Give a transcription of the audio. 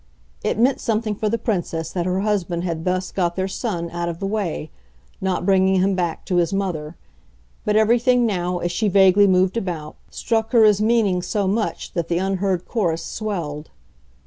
It meant something for the Princess that her husband had thus got their son out of the way, not bringing him back to his mother; but everything now, as she vaguely moved about, struck her as meaning so much that the unheard chorus swelled.